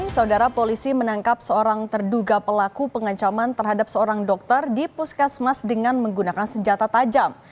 saudara polisi menangkap seorang terduga pelaku pengancaman terhadap seorang dokter di puskesmas dengan menggunakan senjata tajam